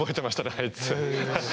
あいつ。